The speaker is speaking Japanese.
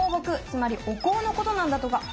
つまりお香のことなんだとか。